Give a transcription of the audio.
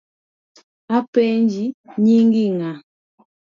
Apenji, nyingi ng’a ?